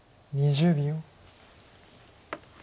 ２０秒。